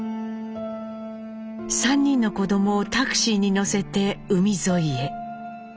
３人の子どもをタクシーに乗せて海沿いへ。